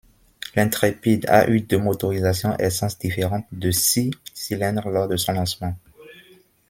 L'Intrepid a eu deux motorisations essence différentes de six cylindres lors de son lancement.